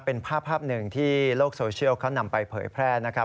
เป็นภาพหนึ่งที่โลกโซเชียลเขานำไปเผยแพร่นะครับ